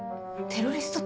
テロリスト。